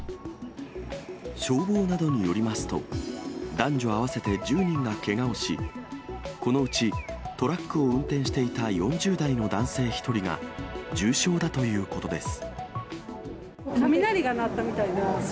消防などによりますと、男女合わせて１０人がけがをし、このうちトラックを運転していた４０代の男性１人が、重傷だということです。